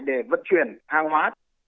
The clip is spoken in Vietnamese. để vận chuyển hàng hóa